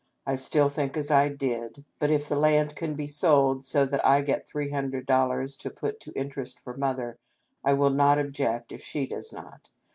I still think as I did ; but if the land can be sold so that I get three hundred dollars to put to interest for Mother, I will not object if she does not.